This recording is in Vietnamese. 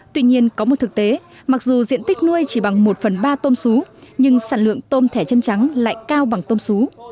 tuy nhiên có một thực tế mặc dù diện tích nuôi chỉ bằng một phần ba tôm sú nhưng sản lượng tôm thẻ chân trắng lại cao bằng tôm xú